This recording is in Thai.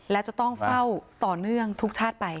และจะต้องเฝ้าต่อเนื่องทุกชาติไป